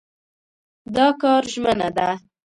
دا کار ژمنه ده.